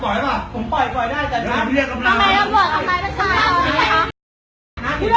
ช่วยด้วยค่ะส่วนสุด